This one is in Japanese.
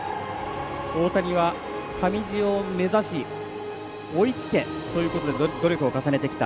大谷は、上地を目指し追いつけということで努力を重ねてきた。